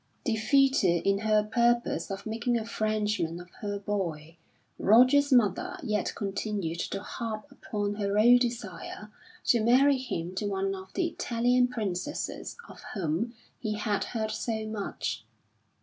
Defeated in her purpose of making a Frenchman of her boy, Roger's mother yet continued to harp upon her old desire to marry him to one of the Italian princesses of whom he had heard so much.